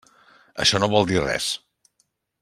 Això no vol dir res.